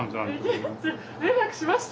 連絡しました。